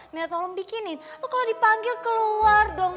nih tolong bikinin lo kalau dipanggil keluar dong